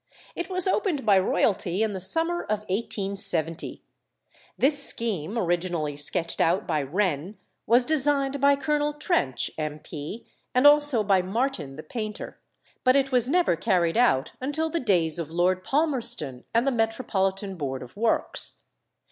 It was opened by Royalty in the summer of 1870. This scheme, originally sketched out by Wren, was designed by Colonel Trench, M.P., and also by Martin the painter; but it was never carried out until the days of Lord Palmerston and the Metropolitan Board of Works.